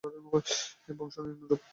বংশ নিম্নরূপ,